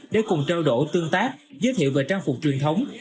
để cùng trao đổi tương tác giới thiệu về trang phục truyền thống